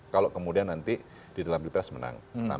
kalau kemudian nanti di dalam di pres menang